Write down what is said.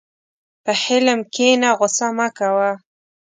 په حلم کښېنه، غوسه مه کوه.